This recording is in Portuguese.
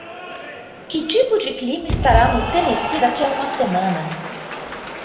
Que tipo de clima estará no Tennessee daqui a uma semana?